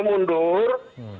kita harus tetap berhenti